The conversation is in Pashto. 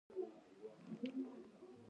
د انګریزامو ماتول د پښتنو ویاړ دی.